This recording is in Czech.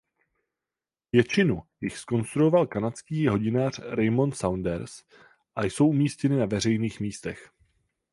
Většinu jich zkonstruoval kanadský hodinář Raymond Saunders a jsou umístěny na veřejných místech.